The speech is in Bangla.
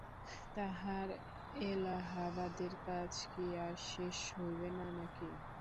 তাঁহার এলাহাবাদের কাজ কি আর শেষ হইবে না নাকি?